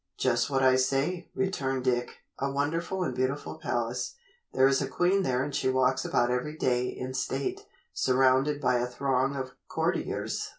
"Just what I say," returned Dick; "a wonderful and beautiful palace. There is a queen there and she walks about every day in state, surrounded by a throng of courtiers.